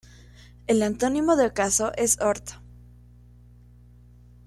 El antónimo de ocaso es orto.